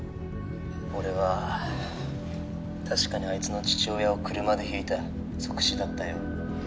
「俺は確かにあいつの父親を車でひいた」「即死だったよ」